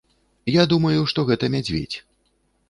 Я думаю, што гэта мядзведзь.